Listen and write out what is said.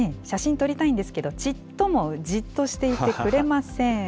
写真撮りたいんですけど、ちっともじっとしていてくれません。